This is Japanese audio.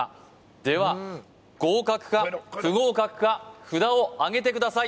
では合格か不合格か札をあげてください